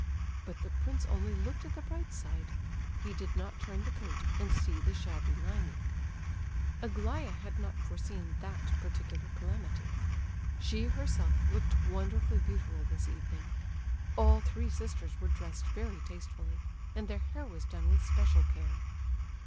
But the prince only looked at the bright side; he did not turn the coat and see the shabby lining. Aglaya had not foreseen that particular calamity. She herself looked wonderfully beautiful this evening. All three sisters were dressed very tastefully, and their hair was done with special care.